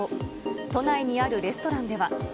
都内にあるレストランでは。